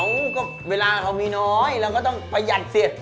เขาก็เวลาเขามีน้อยเราก็ต้องประหยัดสิ